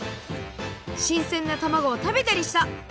しんせんなたまごをたべたりした。